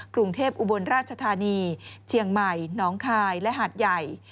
กรุงเทพอุบลราชธานีเชียงใหม่น้องคายและหาดใหญ่